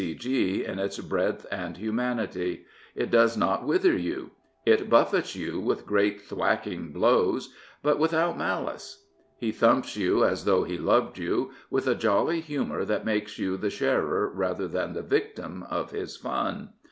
C. G.*' in its breadth and humanity. It does not wither you. It buffets you with great thwacking blows; but withouFlnalice. He thumps you as though he loved you, with a jolly humour that makes you the sharer rather than the victim of his fun.